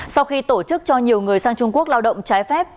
sau khi tổ chức cho nhiều người sang trung quốc lao động trái phép